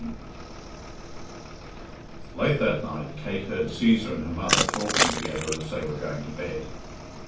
XIII. Late that night Kate heard Cæsar and her mother talking together as they were going to bed.